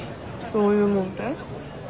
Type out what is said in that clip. そういうもんって？